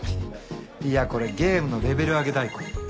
いやこれゲームのレベル上げ代行。